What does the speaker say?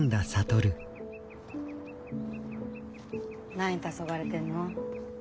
何たそがれてんの？